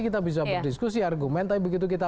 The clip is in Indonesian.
kita bisa berdiskusi argumen tapi begitu kita